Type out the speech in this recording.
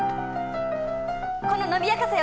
この伸びやかさよ。